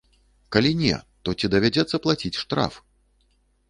Калі не, то ці давядзецца плаціць штраф?